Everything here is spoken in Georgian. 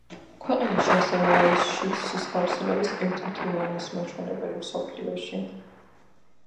ქვეყანაში ასევე არის შიდსის გავრცელების ერთ-ერთი უმაღლესი მაჩვენებელი მსოფლიოში.